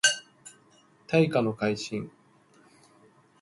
大化の改新